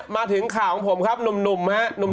มาถึงข่าวของผมครับหนุ่มฮะ